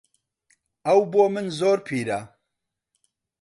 ئەو بۆ من زۆر پیرە.